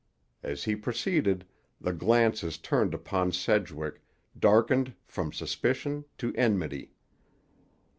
As he proceeded, the glances turned upon Sedgwick darkened from suspicion to enmity.